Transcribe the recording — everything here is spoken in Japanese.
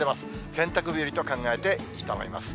洗濯日和と考えていいと思います。